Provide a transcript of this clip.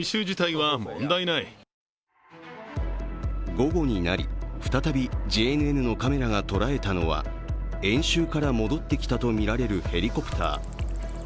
午後になり、再びＪＮＮのカメラがとらえたのは演習から戻ってきたとみられるヘリコプター。